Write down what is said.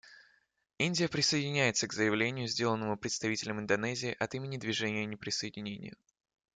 Индия присоединяется к заявлению, сделанному представителем Индонезии от имени Движения неприсоединения.